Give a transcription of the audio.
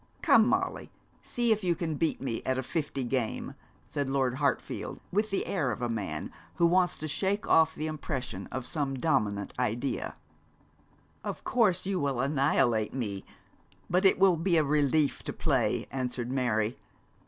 'Come, Molly, see if you can beat me at a fifty game,' said Lord Hartfield, with the air of a man who wants to shake off the impression of some dominant idea. 'Of course you will annihilate me, but it will be a relief to play,' answered Mary.